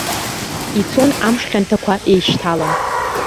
Ицон амш хьанҭақәа еишьҭалан.